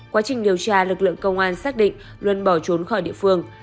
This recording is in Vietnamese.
quá trình điều tra lực lượng công an xác định luân bỏ trốn khỏi địa phương